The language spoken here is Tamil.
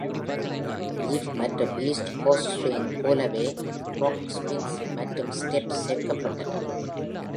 Jive மற்றும் East Coast Swing போலவே "Rock spins" மற்றும் "steps" சேர்க்கப்பட்டன.